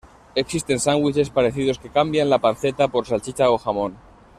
Existen sándwiches parecidos que cambian la panceta por salchicha o jamón.